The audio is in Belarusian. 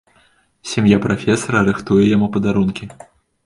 Сям'я прафесара рыхтуе яму падарункі.